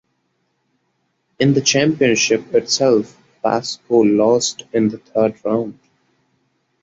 In the championship itself Pascoe lost in the third round.